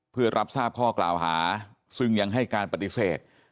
เพื่อรับทราบข้อกล่าวหาซึ่งยังให้การปฏิเสธ